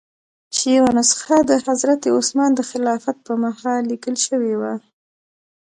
چې یوه نسخه د حضرت عثمان د خلافت په مهال لیکل شوې وه.